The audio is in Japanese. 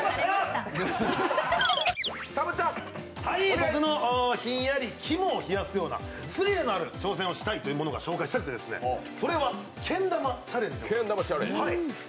僕のひんやり肝を冷やすようなスリルのある挑戦をしたいというものを紹介したくて、それはけん玉チャレンジです。